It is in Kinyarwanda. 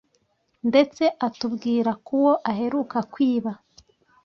ndetse atubwira ku wo aheruka kwiba